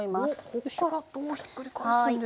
こっからどうひっくり返すんでしょう？